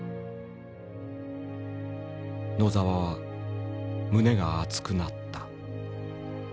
野澤は胸が熱くなった。